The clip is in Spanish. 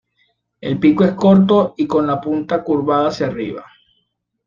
El pico es corto y con la punta curvada hacia arriba